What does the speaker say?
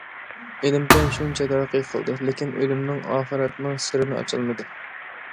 ئىلىم-پەن شۇنچە تەرەققىي قىلدى، لېكىن ئۆلۈمنىڭ، ئاخىرەتنىڭ سىرىنى ئاچالمىدى.